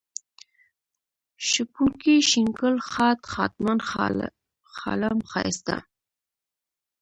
شپونکی ، شين گل ، ښاد ، ښادمن ، ښالم ، ښايسته